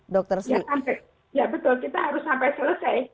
ya betul kita harus sampai selesai